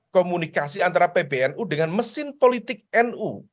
komunikasi antara pbnu dengan mesin politik nu